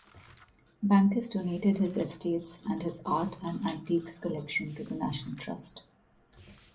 Bankes donated his estates and his art and antiques collection to the National Trust.